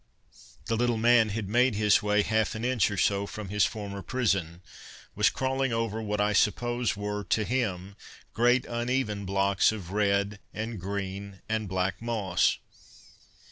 The little man had made his way half an inch or so from his former prison; was crawling over what I suppose were, to him, great uneven blocks of red and green and black moss.